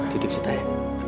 titip setelah ya